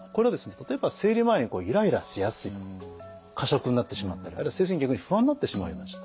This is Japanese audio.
例えば生理前にイライラしやすいとか過食になってしまったりあるいは精神的に不安になってしまうような状態